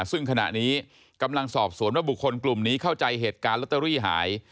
ซึ่งขณะนี้กำลังสอบสวนว่าบุคคลกลุ่มนี้เข้าใจเหตุการณ์ลอตเตอรี่หาย